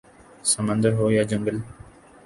سمندر ہو یا جنگل